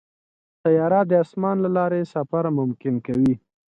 طیاره د اسمان له لارې سفر ممکن کوي.